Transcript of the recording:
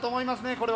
これは。